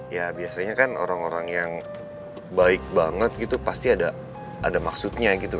ya biasanya kan orang orang yang baik banget gitu pasti ada maksudnya gitu